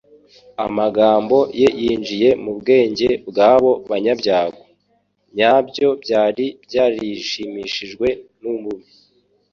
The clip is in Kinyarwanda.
Amagambo ye yinjiye mu bwenge bw'abo banyabyago, nyabwo bwari bwarijimishijwe n'umubi.